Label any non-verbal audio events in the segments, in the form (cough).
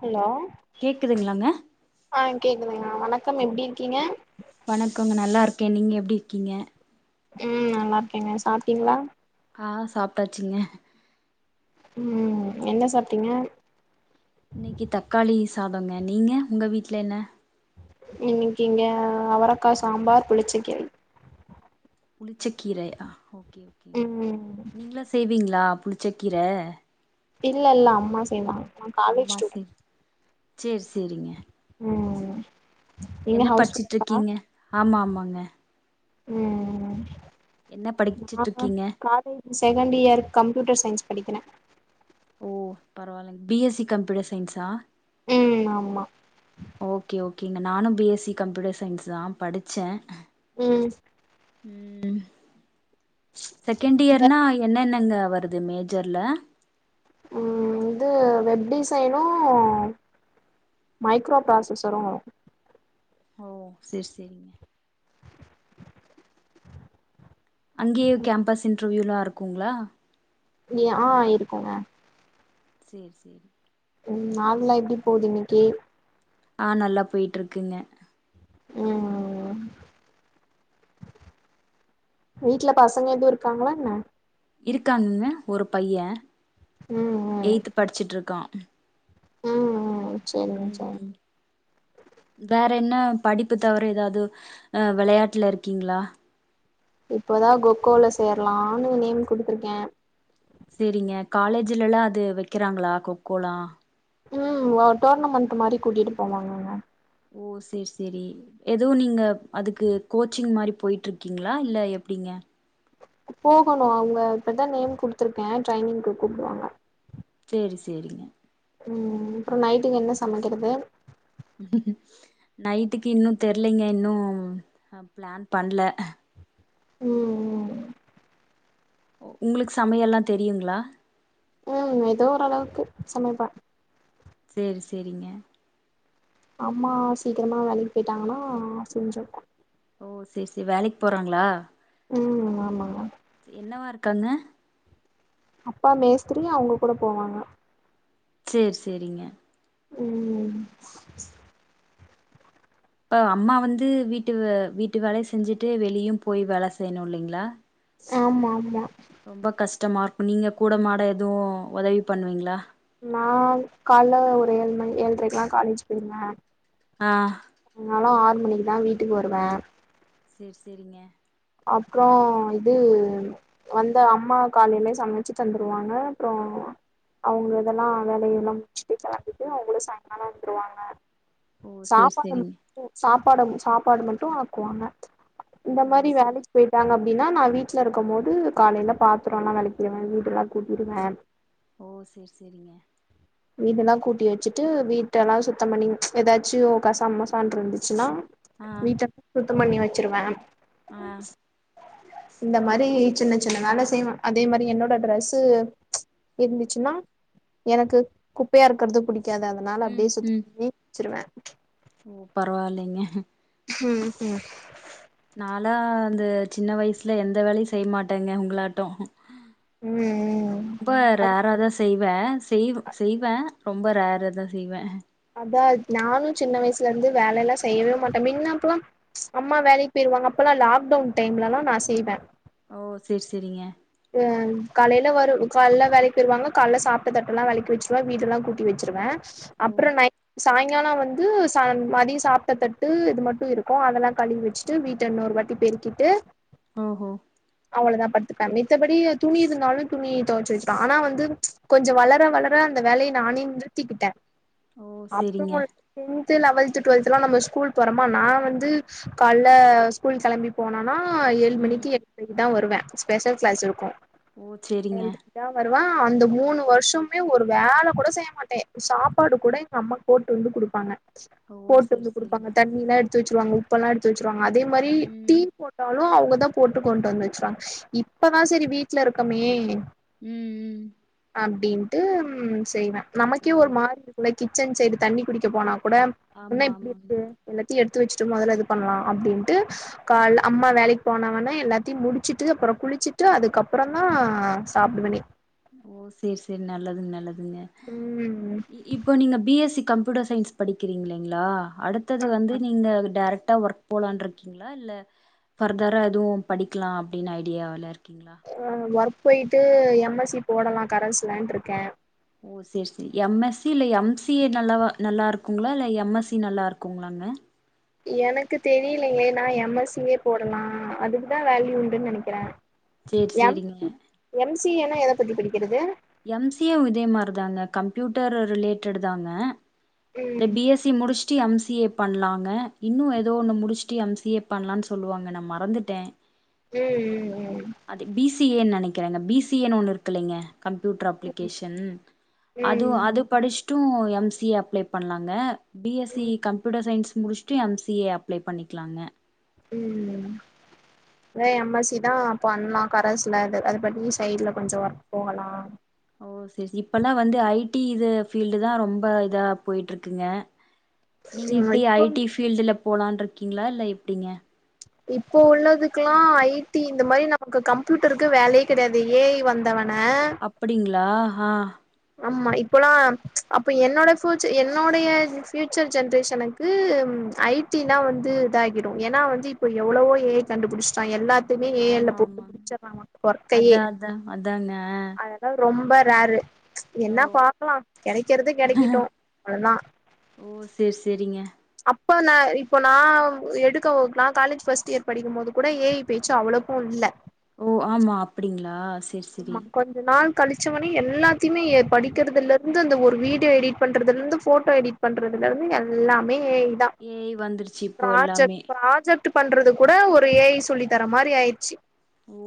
hello கேக்குதுங்களாங்க ஆ கேக்குதுங்க வணக்கம் எப்டி இருக்கீங்க வணக்கங்க நல்லா இருக்கே நீங்க எப்டி இருக்கீங்க ம் நல்லா இருக்கேங்க சாப்ட்டீங்களா ஆ சாப்ட்டாச்சிங்க ம் என்ன சாப்பிட்டீங்க இன்னிக்கு தக்காளி சாதங்க நீங்க உங்க வீட்ல என்ன இன்னிக்கு இங்க அவரக்காய் சாம்பார் புளிச்ச கீரை புளிச்ச கீரை ஆ ஓகே ஓகேங்க ம் நீங்களா செய்வீங்களா புளிச்சக்கீர இல்ல இல்ல அம்மா செய்வாங்க நா காலேஜ் அம்மா செய் ஸ்டூடெண்ட் சேர் சேரிங்க ம் நீங்க என்ன படிச்சுட்டு இருக்கீங்க ஆமா ஆமாங்க ம் ம் ம் ம் என்ன உன்ன பாத்தா படிச்சிட்ருக்கீங்க க ஏய் செகண்ட் இயர் கம்ப்யூட்டர் சயின்ஸ் படிக்கிறேன் ஓ பரவாயில்லைங்க பி எஸ்‌ சி கம்ப்யூட்டர் சயின்ஸா ம் ஆமா ஓகே ஓகேங்க நானும் B S C computer science தான் படிச்ச ம் ம் செகண்ட் இயர்னா என்னென்ன எங்க வருது மேஜர்ல ம் இது வெப் டிசைனும் மைக்ரோ ப்ராசசரும் ஓ சேர் சேரிங்க அங்கேயே கேம்பஸ் இன்டர்வியூ எல்லாம் இருக்குங்களா இங்க‌ஆ இருக்கோங்க சேர் சேரி ம் நாள் ல எப்டி போகுது இன்னிக்கு ஆ நல்லா போயிட்டு இருக்குஙாக ஆ ஆ ஆ வீட்ல பசங்க எதுவும் இருக்காங்களா என்ன இருக்காங்கங்க ஒரு பையன் ம் எயித் படிச்சுட்டு இருக்கான் ஆ ஆ ம் ம் வேற என்ன படிப்பு தவிர ஏதாவது விளையாட்டுல இருக்கீங்களா இப்போதான் கொக்கோல சேரலாம்னு நேம் கொடுத்துருக்கேன் சேரிங்க காலேஜ்லல்லாம் அது வைக்கிறாங்களா கொக்கோலாம் ம் ஒ டோர்னமெண்ட் மாரி கூட்டிட்டு போவாங்கங்க ஓ சேர் சேரி ஏதோ நீங்க அதுக்கு கோச்சிங் மார போய்ட்டு இருக்கீங்களா இல்ல எப்டிங்க போகணும் அவுங்க இப்பதான் நேம் குடுத்துருக்கேன் ட்ரைனிங்கு கூப்பிடுவாங்க சேர் சேரிங்க ம் அப்பறம் நைட்டுக்கு என்ன சமைக்கிறது நைட்டுக்கு இன்னும் தெர்லைங்க இன்னும் பிளான் பண்ணல ம் ம் உங்களுக்கு சமையல்லாம் தெரியுங்களா ம் ஏதோ ஓரளவுக்கு சமைப்ப சேரி சேரிங்க அம்மா சீக்கிரமா வேலைக்கு போயிட்டாங்கனா செஞ்சே ஓ சேரி சேரி வேலைக்கு போறாங்களா ம் ஆமாங்க சேரி என்னவா இருக்காங்க அப்பா மேஸ்த்ரி அவ்ங்க கூட போவாங்க சேரி சேரிங்க ம் ம் இப்ப அம்மா வந்து வீட்டு வே வீட்டு வேலையு செஞ்சுட்டு வெளியு போய் வேல செய்யணு இல்லைங்ளா ஆமாம்மா ரொம்ப கஷ்டமா இருக்கு நீங்க கூட மாட எதுவு ஒதவி பண்ணுவீங்ளா நான் கால்ல ஒரு ஏழு மணி ஏழ்ரைக்குலா காலேஜ் போயிருவே ஆ அதனால ஆறு மணிக்கு தா வீட்டுக்கு வருவே சேரி சேரிங்க அப்றோ இது வந்து அம்மா காலைலே சமைச்சு தந்துருவாங்க அப்றோ அவ்ங்க இதெல்லா வேலையெல்லா முடிச்சுட்டு கெளம்பிட்டு அவ்ங்களு சாய்ங்கால வந்துருவாங்க ஓ சேரி சாப்பாடு சேரிங்க மட்டு சாப்பாடம் சாப்பாடு மட்டு ஆக்குவாங்க இந்த ஓ மாரி வேல் சேரி போய்ட்டாங்க அப்டினா நா வீட்ல இருக்கும் போது காலைல பாத்தரலா வெளக்கிருவே வீடெல்லா கூட்டிருவே ஓ சேரி சேரிங்க வீடுலா கூட்டி வெச்சுட்டு வீட்டலா சுத்தம் பண்ணி எதாச்சு கசா முசான் இருந்துச்சுனா ஆ வீட்ட சுத்தம் பண்ணி வச்சிருவே ஆ இந்த மாரி சின்ன சின்ன வேல செய்வே அதே மாரி என்னோட ட்ரெஸ்ஸு இருந்துச்சுனா எனக்கு குப்பையா இருக்கற்து புடிக்காது அதனால ம் அப்டியே சுத்தம் ம் பண்ணி வச்சிருவே ஓ பரவால்லைங்க ம் ம் நாளா அந்த சின்ன வயசுல எந்த வேலையு செய்ய மாட்டங்க உங்களாட்டோ ம் ம் ரொம்ப அ ரேரா தா செய்வே செய்வு செய்வே ரொம்ப ரேரா தா செய்வே அதாவ்து நானு சின்ன வயசுலருந்து வேலலா செய்யவே மாட்டே மின் அப்றம் அம்மா வேலைக்கு போயிருவாங்க அப்பலா லாக்டவுன் டைம்லலா நா செய்வே ஓ சேரி சேரிங்க அ காலைல வரு காலைல வேலைக்கு போய்ருவாங்க கால்ல சாப்ட்ட தட்டெல்லா வெளக்கி வச்சுருவ வீடெல்லா கூட் டி வெச்சிருவே ஓ அப்ற நை சாய்ங்கால வந்து சான் மதிய சாப்ட்ட தட்டு இது மட்டு இருக்கு அதெல்லா கழுவி வெச்சு ட்டு வீட்ட இன்னொரு வாட்டி பெருக்கிட்டு ஓஹோ அவளதா படுத்துக் குவ மித்தபடி எ துணி இருந்தாலு துணிய தொவச்சு வெச்சுக்லா ஆனா வந்து கொஞ்ச வளர வளர அந்த வேலைய நானே நிறுத்திக்கிட்டே ஓ அப்றோ சேரிங்க ஒரு டென்த்து லவல்த்து டுவெல்த்துலா நம்ம ஸ்கூல் போறமா நா வந்து கால்ல ஸ்கூல் கெளம்பிப் போனோன்னா ஏழு ம் மணிக்கி எட்ரைக்குதா வருவே ஸ்பெஷல் கிளாஸ் இருக்கு ஓ சேரிங்க தா வருவே அந்த மூணு வருஷமுமே ஒரு வேலை கூட செய்ய மாட்டே சாப்பாடு கூட எங் கம்மா போட்டு வந்து குடுப்பாங்க ஓ போட்டு சேரி வந்து சேரிங்க குடுப்பாங்க தண்ணி எல்லா எடுத்து வச்சுருவாங்க உப்பெல்லா எடுத்து வச்சுருவாங்க அதே மாதிரி டீ ம் போட் டாலு அவுங்கதா போட்டு கொண்ட்டு வந்து வச்சுருவாங்க இப்பதா சேரி வீட்ல இருக்கமே ம் ம் அப்டின்ட்டு செய்வே ஓ நமக்கே ஒரு மாரி இருக் இந்த கிச்சன் சைடு தண்ணி குடிக்க போனா கூட என்ன ஆமா இப்டி ஆமாங்க இருக்கு எல்லாத்தையு எடுத்து வச்சுட்டு மொதல்ல இது பண்ணலா அப்டின்ட்டு கால்ல அம்மா வேலைக்கி போன ஒன்ன எல்லாத்தையு முடிச்சிட்டு அப்பறோ குளிச்சிட்டு அதுக்கு அப்பறோந்தா சாப்டுவேனே ஓ சேர் சேரி நல்லதுங்க நல்லதுங்க ம் இப்ப நீங்க B S C computer science படிக்கிறீங்களீங்களா அடுத்தது வந்து நீங்க டேரக்ட்டா ஒர்க் போலான் இருக்கீங்களா இல்ல ஃபர்தரா எதுவு படிக்கலா அப்டின்னு ஐடியால இருக்கீங்களா ஆ ஒர்க் போயிட்டு எம் எஸ் சி போடலா கரெஸ்லன்டு இருக்கே ஓ செரி செரி எம் எஸ் சி இல்ல எம் சி எ நல்லவா நல்லா இருக்குங்களா இல்ல எம் எஸ் சி நல்லா இருக்குங்களாங்க எனக்கு தெரியலங்களே நா எம் எஸ் சியே போடலா அதுக்கு தா வேல்யூ உண்டுன்னு நெனைக்கிறே சேரி எம் சேரிங்க எம் சி ஏன்னா எத பத்தி படிக்கிறது எம் சி ஏவு இதே மாரி தாங்க கம்ப்யூட்டர் ரிலேட்டட் தாங்க இந்த ம் பி எஸ் சி முடிச்சுட்டு எம் சி ஏ பண்ணலாங்க இன்னு ஏதோ ஒன்னு முடிச்சுட்டு எம் சி ஏ பண்ணலான்னு சொல்லுவாங்க நா மறந்துட்டே ம் ம் ம் அது பி சி ஏன்னு நெனைக்கிறேங்க பி சி ஏன்னு ஒன்னு இருக்கு இல்லைங்க கம்ப்யூட்டர் ம் அப்ளிகேஷன் அதுவு ம் அது படிச்சுட்டு எம் சி ஏ அப்ளே பண்ணலாங்க பி எஸ் சி ம் கம்யூட்டர் சயின்ஸ் முடிச்சுட்டு எம் சி ஏ அப்ளே பண்ணிக்கலாங்க ம் இதே எம் எஸ் சி தா பண்ணலா கரஸ்ல ஆ அதுப்படி சைட்ல கொஞ்சோ ஒர்க் போகலா ஓ சேர் சேரி இப்பெல்லா வந்து ஐ டி இது ஃபீல்டு தா ரொம்ப இதா போயிட்டு இருக்குங்க ம்.... க்ஷ்.... நீங்க எப்டி ஐடி பீல்டுல போலன் இருக்கீங்களா இல்ல எப்டிங்க இப்ப உள்ளதுக்குல்லா ஐ டி இந்த மாரி நமக்கு கம்ப்யூட்டருக்கு வேலையே கெடையாது இந்த ஏ ஐ வந்த ஒன்ன அப்டிங்களா ஆ ஆமா இப்பல்லா அப்ப என்னோட ஃபியுச்சர் என்னோடைய ஃபியூச்சர் ஜென்ரேஷனுக் கு ஐ டினா வந்து இதாகிடு ஏன்னா வந்து இப்போ எவ்வளவோ ஏ ஐ கண்டுபிடிச்சிட்டா எல்லாத் தயுமே ஏ ஐல ஆமா போட்டு ஆமாங்க முடிச்சிர்லா மொத்த ஒர்க்கையே அதா அதா அதாங்க அத அதாவது ரொம்ப ரேரு ஓ என்ன பாக்லா கெடைக்கிறது கெடைக்கட்டு அவ்ளதா ஓ சேர் சேரிங்க இப்ப நா இப்ப நா எடுக்க நா காலேஜ் ஃபர்ஸ்ட் இயர் படிக்கும் போது கூட ஏ ஐ பேச்சு அவ்ளோக்கு இல்ல ஓ ஆமா அப்டிங்களா செ ஆமா கொஞ்ச நாள் கழிச்சவனே எல்லாத்தையுமே ஏ ஐ படிக்கிறதுல இருந்து அந்த ஒரு வீடியோ எடிட் பண்றதுல இருந்து போட்டோ எடிட் பண்றதுல இருந்து எல்லாமே ஏ ஐ தா ஏ ஐ வந்துருச்சு இப்போ ப்ராஜெக்ட் எல்லாமே ப்ராஜெக்ட் ட்டு பண்றது கூட ஒரு ஏ ஐ சொல்லி தர்ற மாரி ஆயிர்ச்சி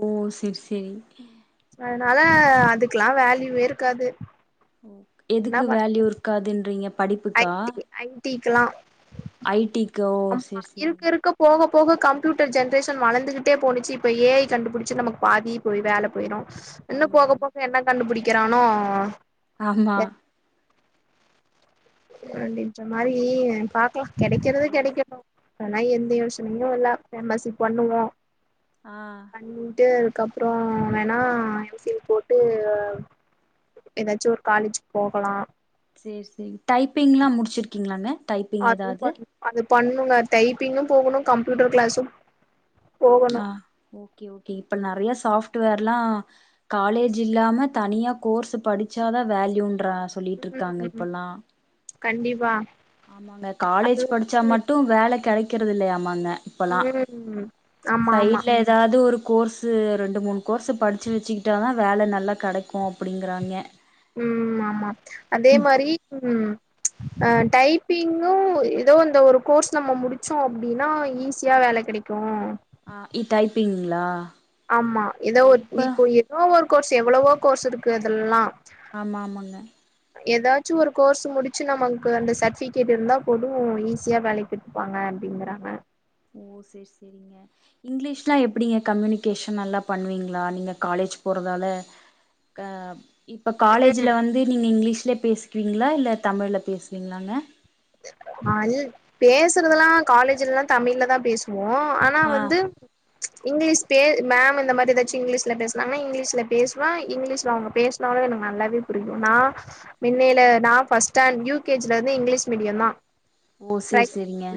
ஓ சேர் சேரி அதனால அதுக்ல்லா வேல்யூவே இருக்காது என்ன எதுக்கு பண் வேல்யூ இருக்காதுன்றீங்க படிப்புக்கா ஐடிக்லா ஐ டி கோ சேர் இருக்க செரிங்க இருக்க போக போக கம்ப்யூட்டர் ஜென்ரேஷன் வளர்ந்துக்கிட்டே போணுச்சு இப்போ ஏஐ கண்டுபுடிச்சு நமக்கு பாதி போய் வேல போயிரு இன்னு ஆமா போக ஆமா போக என்ன கண்டுபுடிக்குறானோ ஆமா அப்டின்ற மாரி பாக்லா கெடைக்கிறது ஓ கெடைக்கட்டு அதெல்லா எந்த யோசனையு இல்ல எம் எஸ் சி பண்ணுவோ ஆ பண்ணிட்டு அதுக்கப்றோ வேணா எம் சி ஏ போட்டு ஏதாச்சு ஒரு காலேஜ்கு போகலா சேர் சேரி டைப்பிங்லா முடிச்சுருகிங்ளாங்க அதுவு பண்ணு அது பண்ணுங்க டைப்பிங்கு போகணு கம்ப்யூட்டர் கிளாஸு போகணு ஆ ஓகே ஓகே இப்ப நெறய சாஃப்ட்வேர்லா காலேஜ் இல்லாம தனியா கோர்சு படிச்ச தா வேல்யூன்றா ம் கண்டிப்பா ஆமாங்க அது காலேஜ் படிச்சா வந்து மட்டு வேல கெடைக்கிறது இல்லையாமாங்க இப்பலா ம் ஆமா ஆமா சைட்ல ஏதாவது ஒரு கோர்ஸு ரெண்டு மூணு கோர்ஸு படிச்சு வெச்சுகிட்டா தா வேல நல்லா கெடைக்கு அப்டிங்கிறாங்க ம் ஆமா அதே மாரி ம் அ டைப்பிங்கு ஏதோ அந்த ஒரு கோர்ஸ் நம்ம முடிச்சோ அப்டின்னா ஈஸியா வேல கெடைக் கு ஆ இ டைப்பிங்ளா ஆமா எதோ ஓ ஒரு இப்ப இப்போ ஏதோ ஒரு கோர்ஸ் எவ்ளவோ கோர்ஸ் இருக்கு அதெல்லா ஆமா ஆமாங்க ஏதாச்சு ஒரு கோர்ஸ் முடிச்சு நமக்கு அந்த சர்ட்பிகேட் இருந்தா போது ஈஸியா வேலைக்கு இருப்பாங்க அப்டிங்றாங்க ஓ சேர் சேரிங்க இங்கிலீஷ்லா எப்டிங்க கம்யூனிகேஷன் நல்லா பண்ணுவீங்ளா நீங்க காலேஜ் போறதால க ப் இப்போ ம் காலேஜ்ல வந்து நீங்க இங்கிலீஷல பேசிக்குவீங்ளா இல்ல தமிழ்ல பேசுவீங்ளாங்க அது பேசறதுல்லா காலேஜ்லல்லா தமிழ்ல தா பேசு வோ ஆனா ஆ வந்து இங்கிலீஷ் பே மேம் இந்த மாரி ஏதாச்சு இங்கிலீஷ்ல பேசனாங்ன்னா இங்கிலீஷ்ல பேசுவே இங்கிலீஷ்ல அவுங்க பேச் னால எனக்கு நல்லாவே புரியு நா மின்னைல நா ஃபர்ஸ்ட் ஸ்டாண்ட் யூ கே ஜில இருந்து இங்கிலீஷ் மீடியோ தா ஓ பிரை சேர் சேரிங்க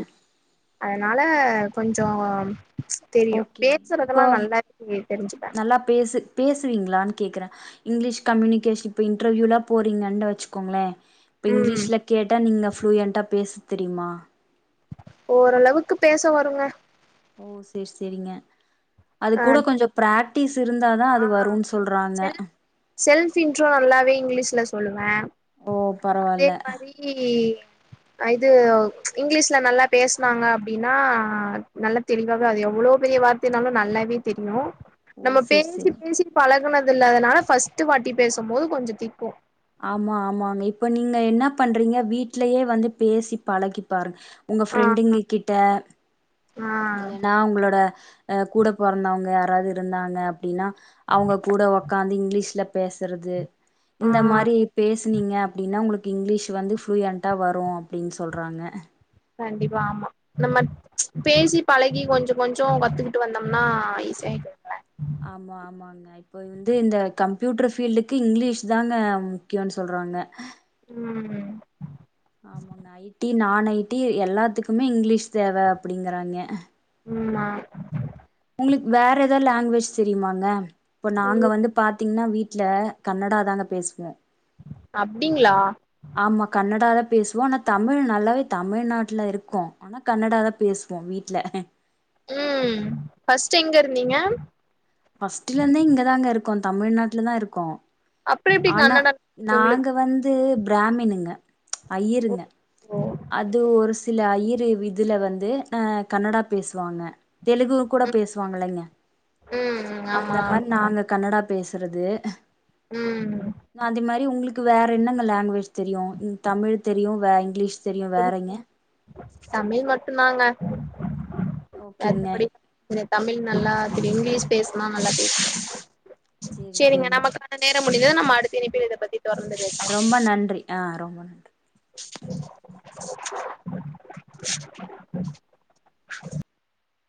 அதனால கொஞ்சோ தெரியு ஓகே பேசுறதெல்லா இப்போ நல்லாவே தெரிஞ்சுப்பே நல்லா பேசு பேசுவீங்ளான்னு கேக்குறே இங்க்லீஷ் கம்யூனிகேஷன் இப்ப இன்டர்வியூல்லா போறீங்கன்னு வச்சுக்கோங்ளே இப்ப ம் இங்லீஷ்ல கேட்டா நீங்க ஃப்ளூயண்ட்டா பேச தெரியுமா ஓரளவுக்கு பேச வருங்க ஓ சேர் சேரிங்க அ அதுக்கூட கொஞ்சப் பிராக்டிஸ் இருந்தாதா ஆ அது வருன் சொல்றாங்க செல் செல்ஃப் இன்ட்ரோ நல்லாவே இங்லீஷ்ல சொல்லுவே ஓ அதே பரவால்ல மாரி இ அ இது இங்லீஷ்ல நல்லா பேச்னாங்க அப்டினா நல்லத் தெளிவாவே அது எவ்ளோ பெரிய வார்த்தைனாலு நல்லாவேத் தெரியு ஓ நம்ம சேரி பேசி சேரி பேசி பழகனதுல்லாதனால ஃபர்ஸ்ட்டு வாட்டி பேசும்போது கொஞ்சோ திக்கு ஆமா ஆமாங்க இப்ப நீங்க என்னப் பண்றீங்க வீட்லயே வந்துப் பேசி பழகிப் பாருங்க உங்க ஆ ஃப்ரெண்டுங்க கிட்ட ஆ இல்லனா உங்ளோட அ கூடப் பொறந்தவுங்க யாராவது இருந்தாங்க அப்டினா அவுங்க கூட ஒக்காந்து இங்லீஷ்லப் பேசறது ஆ இந்த மாரி பேசுனீங்கப் அப்டினா உங்ளுக்கு இங்லீஷ் வந்து ஃப்ளூயண்ட்டா வரு அப்டின் சொல்றாங்க கண்டிப்பா ஆமா நம்மட் பேசிப் பழகி கொஞ்சோ கொஞ்சோ கத்துகிட்டு வந்தம்னா ஈஸியாய்டும்ல ஆமா ஆமாங்க இப்போ வந்து இந்த கம்ப்யூட்ரு ஃபீல்டுக்கு இங்லீஷ்தாங்க முக்கியோன் சொல்றாங்க ம் ஆமாங்க ஐ டி நான் ஐ டி எல்லாத்துகுமே இங்லீஷ் தேவ அப்டிங்கறாய்ங்க ம் ஆ உங்ளுக் வேற எதாவ் லேங்வேஜ் தெரியுமாங்க இப்போ நாங்க ம் வந்துப் பாத்திங்னா வீட்ல கன்னடா தாங்கப் பேச்வோ அப்டிங்ளா ஆமா கன்னடாதாப் பேசுவோ ஆனா தமிழ் நல்லாவேத் தமிழ்நாட்ல இருக்கோ ஆனாக் கன்னடாதா பேசுவோ வீட்ல ம் ஃபர்ஸ்ட் எங்க இருந்தீங்க ஃபர்ஸ்ட்டுலந்தே இங்கதாங்க இருக்கோந் தமிழ்நாட்லதா இருக்கோ அப்றோ எப்டி ஆனா கன்னடா வந்துச்சு உங்களுக்கு நாங்க வந்து பிராமினுங்க ஐய்யிருங்க ஓ அது ஒரு சில ஐய்யிரு இதுல வந்து அ கன்னடாப் பேசுவாங்க தெலுகு கூடப் ம் பேச்வாங்கல்லங்கே ம் ஆமா அந்த மாரி நாங்க கன்னடாப் பேசறது ம் அந்தெ மாரி உங்ளுக்கு வேற என்னங்க லேங்வேஜ் தெரியு ம் தமிழ் தெரியு வே இங்கிலீஷ் தெரியு வேறைங்க தமிழ் மட்டுந்தாங்க ஓகேங்க வெத்தபடில திரு தமிழ் நல்லா திரு இங்கிலீஷ் பேச்னா நல்லாப் பேச்வே சேரிங்க நமக்கான் ன நேரம் முடிந்து நம்ம அடுத்த இணைப்பில் இதப்பத்தி தொறந்து ரொம்ப நன்றி ஆ ரொம்ப நன்றி (inaudible)